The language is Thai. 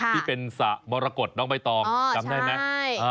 ที่เป็นสระมรกฏน้องใบตองจำได้ไหม